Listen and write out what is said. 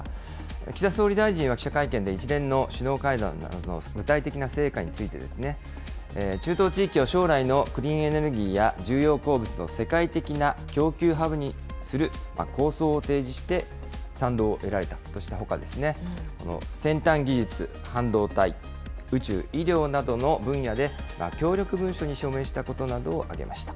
岸田総理大臣は記者会見で、一連の首脳会談などの具体的な成果についてですね、中東地域を将来のクリーンエネルギーや、重要鉱物の世界的な供給ハブにする構想を提示して、賛同を得られたとしたほかですね、先端技術、半導体、宇宙、医療などの分野で協力文書に署名したことなどを挙げました。